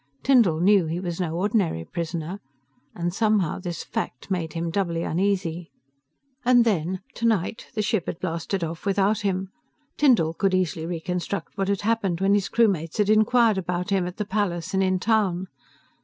Tyndall knew he was no ordinary prisoner, and somehow, this fact made him doubly uneasy. And then, tonight, the ship had blasted off without him. Tyndall could easily reconstruct what had happened when his crewmates had inquired about him, at the palace and in town.